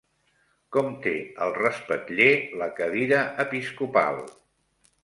Com té el respatller la cadira episcopal?